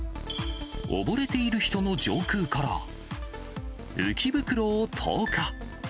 溺れている人の上空から、浮き袋を投下。